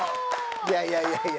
いやいやいやいや。